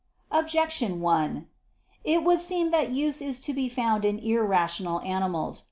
Objection 1: It would seem that use is to be found in irrational animals.